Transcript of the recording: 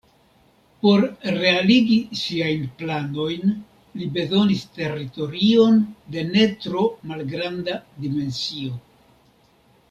Por realigi siajn planojn li bezonis teritorion de ne tro malgranda dimensio.